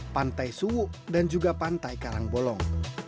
pantai suwu dan juga pantai karangbolong